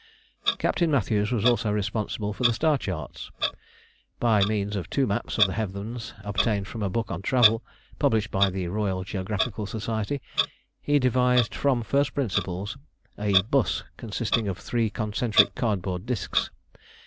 Captain Matthews was also responsible for the star charts. By means of two maps of the heavens obtained from a book on travel, published by the Royal Geographical Society, he devised from first principles a "bus" consisting of three concentric cardboard discs.